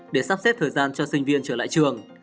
để sắp xếp thời gian cho sinh viên trở lại trường